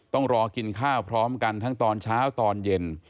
ต้องรอกินข้าวพร้อมกันทั้งตอนเช้าตอนเย็น